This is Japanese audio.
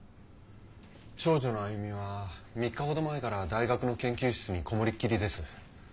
長女の亜由美は３日ほど前から大学の研究室にこもりっきりです。